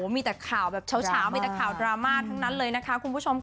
มีแต่ข่าวแบบเช้ามีแต่ข่าวดราม่าทั้งนั้นเลยนะคะคุณผู้ชมค่ะ